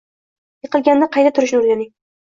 Yiqilganda qayta turishni o’rganing.